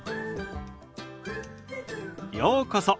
ようこそ。